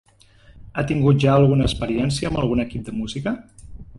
Ha tingut ja alguna experiència amb algun equip de música?